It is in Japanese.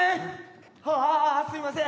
ああすいません